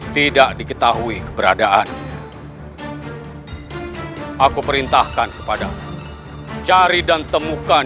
tidak diketahui keberadaan aku perintahkan kepada cari dan temukan